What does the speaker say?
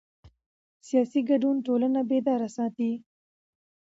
سیاسي ګډون ټولنه بیداره ساتي